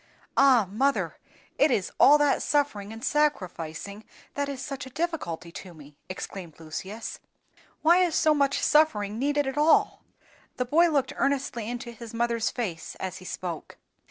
"Ah! mother, it is all that suffering and sacrificing that is such a difficulty to me!" exclaimed Lucius. "Why is so much suffering needed at all?" The boy looked earnestly into his mother's face as he spoke.